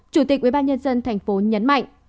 chủ tịch ubnd tp nhấn mạnh